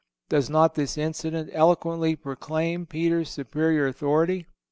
Does not this incident eloquently proclaim Peter's superior authority?